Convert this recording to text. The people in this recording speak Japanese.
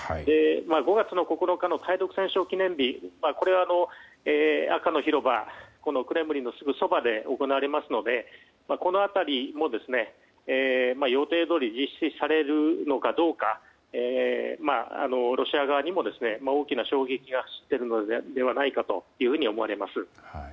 ５月９日の対独戦勝記念日これが、赤の広場クレムリンのすぐそばで行われますのでこの辺りも予定どおり実施されるのかどうかロシア側にも大きな衝撃が走っているのではないかと思われます。